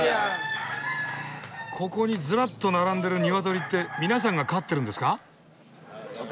ここにずらっと並んでるニワトリって皆さんが飼ってるんですか？